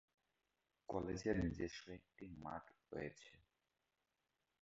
কলেজের নিজস্ব একটি মাঠ রয়েছে।